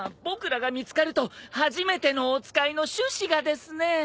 僕らが見つかると初めてのお使いの趣旨がですね。